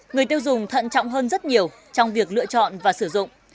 người tiêu dùng thận trọng hơn rất nhiều trong việc lựa chọn và sử dụng